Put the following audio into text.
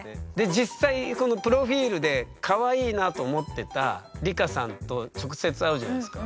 実際このプロフィールでかわいいなと思ってた梨花さんと直接会うじゃないですか。